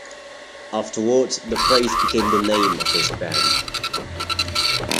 Afterwards, the phrase became the name of his band.